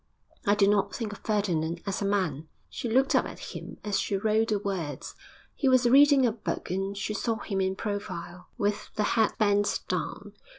I do not think of Ferdinand as a man _' She looked up at him as she wrote the words. He was reading a book and she saw him in profile, with the head bent down.